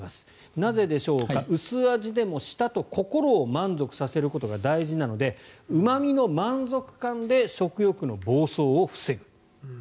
なぜでしょうか薄味でも舌と心を満足させることが大事なので、うま味の満足感で食欲の暴走を防ぐ。